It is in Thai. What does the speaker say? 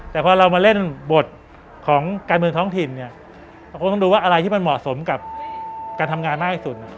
แต่พอเรามาเล่นบทของการเมืองท้องถิ่นเนี่ยเราคงต้องดูว่าอะไรที่มันเหมาะสมกับการทำงานมากที่สุด